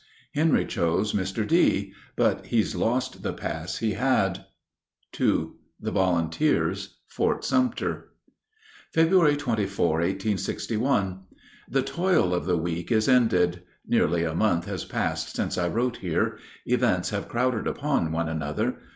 Henry chose Mr. D., but he's lost the pass he had." II THE VOLUNTEERS FORT SUMTER Feb. 24, 1861. The toil of the week is ended. Nearly a month has passed since I wrote here. Events have crowded upon one another.